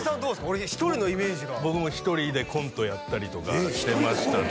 俺１人のイメージが僕も１人でコントやったりとかしてましたね